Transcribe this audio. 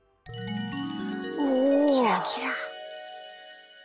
キラキラ。